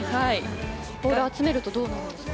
ボールを集めるとどうなるんですか。